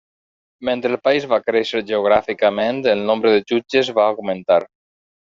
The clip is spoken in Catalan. Mentre el país va créixer geogràficament, el nombre de jutges va augmentar.